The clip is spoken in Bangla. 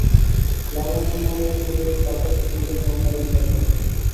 লাবণ্য মনের ক্ষোভে বাপের প্রতি নিতান্ত অন্যায় বিচার করলে।